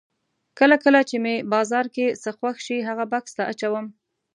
کله کله چې مې بازار کې څه خوښ شي هغه بکس ته اچوم.